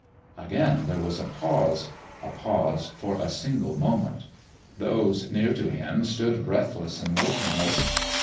Again there was a pause a pause for a single moment. Those near to Him stood breathless and motionless.